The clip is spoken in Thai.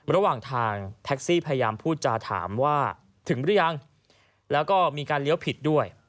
ระหว่างทางแท็กซี่พยายามพูดจาถามว่าถึงหรือยังแล้วก็มีการเลี้ยวผิดด้วย